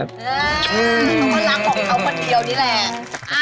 เขาก็รักของเขาคนเดียวนี่แหละ